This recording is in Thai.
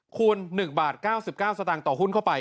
คูณ๑บาท๙๙สตางค์ต่อหุ้นเข้าไป